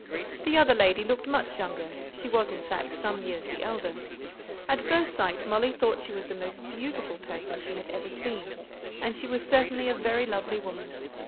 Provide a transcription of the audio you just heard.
The other lady looked much younger, but she was in fact some years the elder; at first sight Molly thought she was the most beautiful person she had ever seen, and she was certainly a very lovely woman.